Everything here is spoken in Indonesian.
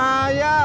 bukan buat saya